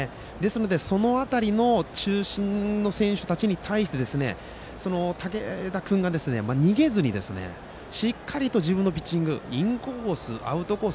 その辺りの中心選手に対してその竹田君が逃げずにしっかりと自分のピッチングインコース、アウトコース